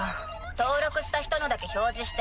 登録した人のだけ表示して。